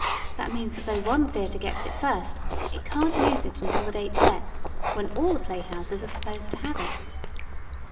That means that though one theater gets it first it can't use it until the date set, when all the playhouses are supposed to have it."